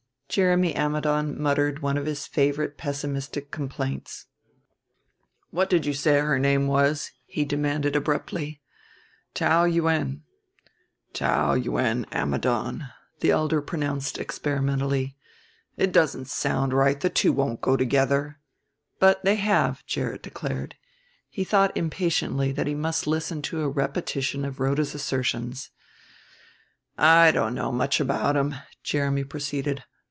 Jeremy Ammidon muttered one of his favorite pessimistic complaints. "What did you say her name was?" he demanded abruptly. "Taou Yuen." "Taou Yuen Ammidon," the elder pronounced experimentally. "It doesn't sound right, the two won't go together." "But they have," Gerrit declared. He thought impatiently that he must listen to a repetition of Rhoda's assertions. "I don't know much about 'em," Jeremy proceeded.